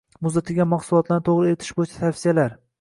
Muzlatilgan mahsulotlarni to‘g‘ri eritish bo‘yicha tavsiyalar